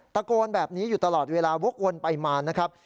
ตะโกนแบบนี้อยู่ตลอดเวลาวกวนไปมานะครับ